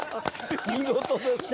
見事ですね。